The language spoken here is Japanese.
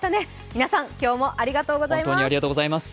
皆さん今日もありがとうございます。